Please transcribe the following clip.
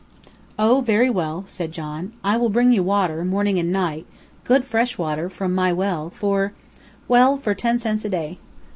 "Oh, very well," said John; "I will bring you water, morning and night, good, fresh water, from my well, for, well, for ten cents a day."